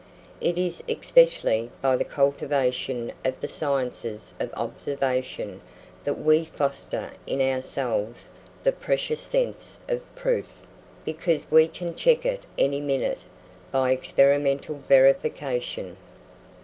It is especially by the cultivation of the sciences of observation that we foster in ourselves the precious sense of proof, because we can check it any minute by experimental verification.